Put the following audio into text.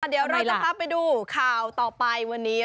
เดี๋ยวเราจะพาไปดูข่าวต่อไปวันนี้